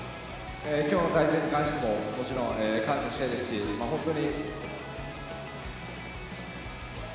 きょうの対戦に関しても、もちろん感謝したいですし、本当に。